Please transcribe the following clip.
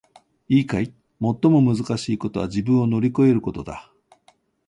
いいかい！最もむずかしいことは自分を乗り越えることだ！